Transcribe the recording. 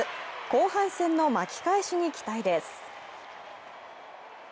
後半戦の巻き返しに期待です。